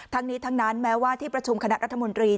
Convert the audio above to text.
ทั้งนี้ทั้งนั้นแม้ว่าที่ประชุมคณะรัฐมนตรี